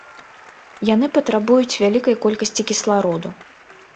Яны патрабуюць вялікай колькасці кіслароду.